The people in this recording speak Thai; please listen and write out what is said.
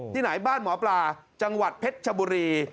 ที่ไหนบ้านหมอปลาจังหวัดเพชรชบุรี